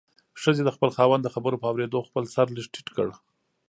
ښځې د خپل خاوند د خبرو په اورېدو خپل سر لږ ټیټ کړ.